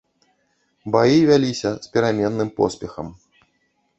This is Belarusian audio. Баі вяліся з пераменным поспехам.